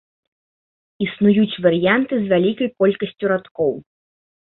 Існуюць варыянты з вялікай колькасцю радкоў.